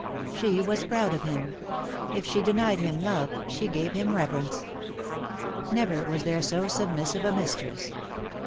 She was proud of him. If she denied him love, she gave him reverence. Never was there so submissive a mistress.